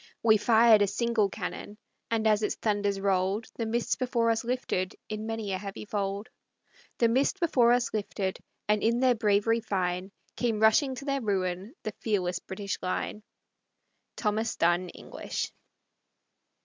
We fired a single cannon, And as its thunders rolled, The mist before us lifted In many a heavy fold. The mist before us lifted, And in their bravery fine Came rushing to their ruin The fearless British line. Thomas Dunn English.